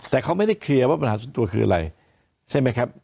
แต่เขาไม่ได้เคลียร์ว่าปัญหาส่วนตัวคืออะไรใช่ไหมครับ